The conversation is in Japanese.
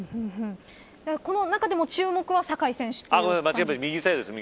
この中でも注目は酒井選手ですか。